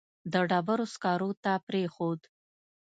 د ډبرو سکرو ته پرېښود.